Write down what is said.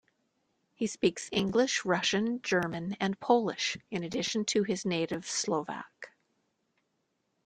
He speaks English, Russian, German and Polish in addition to his native Slovak.